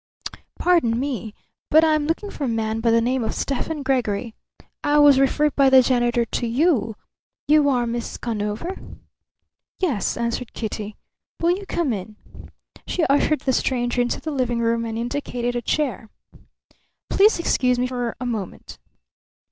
"Pardon me, but I am looking for a man by the name of Stephen Gregory. I was referred by the janitor to you. You are Miss Conover?" "Yes," answered Kitty. "Will you come in?" She ushered the stranger into the living room and indicated a chair. "Please excuse me for a moment."